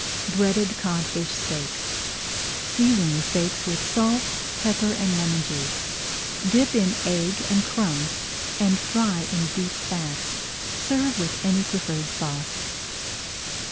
BREADED CODFISH STEAKS Season the steaks with salt, pepper, and lemon juice, dip in egg and crumbs, and fry in deep fat. Serve with any preferred sauce.